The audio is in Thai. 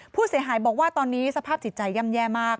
ผู้เสียหายบอกว่าตอนนี้สภาพจิตใจย่ำแย่มาก